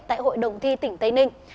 tại hội đồng thi tỉnh tây ninh